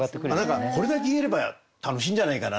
何かこれだけ言えれば楽しいんじゃないかな。